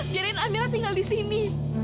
biarin amira tinggal di sini